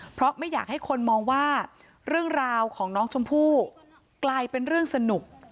เพราะไม่อยากให้คนมองว่าเรื่องราวของน้องชมพู่กลายเป็นเรื่องสนุก